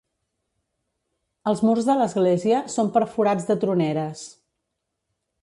Els murs de l'església són perforats de troneres.